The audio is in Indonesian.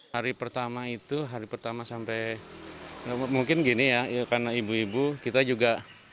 hari pertama itu hari pertama sampai mungkin gini ya karena ibu ibu kita juga